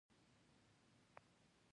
هغه بار ته ننوت.